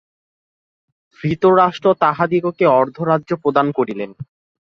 ধৃতরাষ্ট্র তাঁহাদিগকে অর্ধরাজ্য প্রদান করিলেন।